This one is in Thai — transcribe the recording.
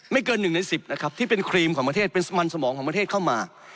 เกิน๑ใน๑๐นะครับที่เป็นครีมของประเทศเป็นมันสมองของประเทศเข้ามา